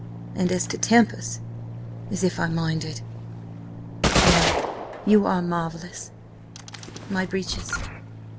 And as to tempers— As if I minded!" "No. You are marvellous. My breeches.